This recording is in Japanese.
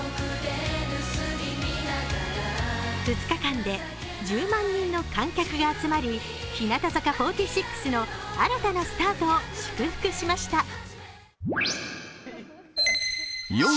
２日間で１０万人の観客が集まり、日向坂４６の新たなスタートを祝福しました。